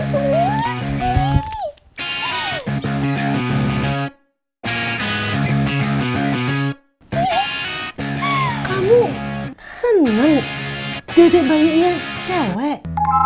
kamu seneng dede bayinya cewek